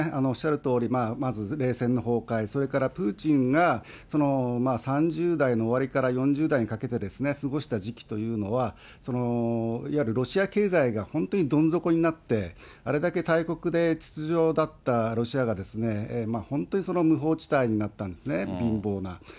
おっしゃるとおり、まず冷戦の崩壊、それからプーチンが３０代の終わりから４０代にかけてですね、過ごした時期というのは、いわゆるロシア経済が本当にどん底になって、あれだけ大国で秩序立ったロシアが本当に無法地帯になったんですね、貧乏な。